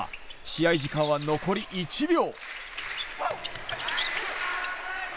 試合時間は残り１秒。